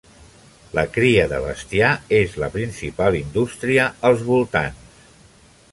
La cria de bestiar és la principal indústria als voltants.